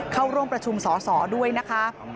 เข้าร่วมประชุมสอสอด้วยนะคะ